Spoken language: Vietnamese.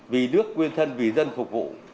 vì nước quyên thân vì dân phục vụ